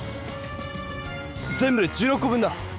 全部で１６こ分だ！